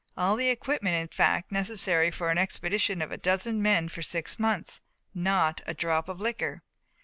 All the equipment, in fact, necessary for an expedition of a dozen men for six months. Not a drop of liquor.